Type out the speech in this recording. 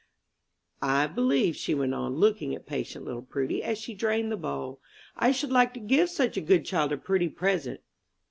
"I believe," she went on, looking at patient little Prudy, as she drained the bowl, "I should like to give such a good child a pretty present."